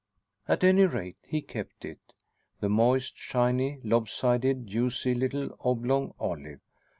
At any rate, he kept it the moist, shiny, lob sided, juicy little oblong olive.